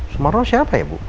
sumarno siapa ya bu